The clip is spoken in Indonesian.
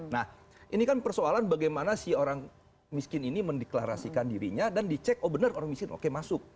nah ini kan persoalan bagaimana si orang miskin ini mendeklarasikan dirinya dan dicek oh benar orang miskin oke masuk